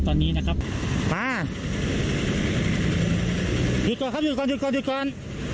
ตอนนี้นะครับมาหยุดก่อนครับหยุดก่อนหยุดก่อนหยุดก่อน